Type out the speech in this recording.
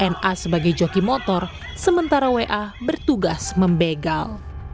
na sebagai joki motor sementara wa bertugas membegal